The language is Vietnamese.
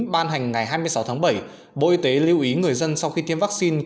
ban hành ngày hai mươi sáu tháng bảy bộ y tế lưu ý người dân sau khi tiêm vaccine